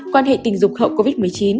quan hệ tình dục hậu covid một mươi chín